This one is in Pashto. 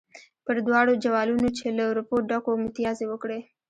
پر دواړو جوالونو چې له روپو ډک وو متیازې وکړې.